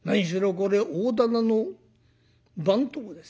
これ大店の番頭です。